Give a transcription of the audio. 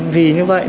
vì như vậy